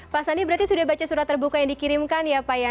pak sandi berarti sudah baca surat terbuka yang dikirimkan ya pak ya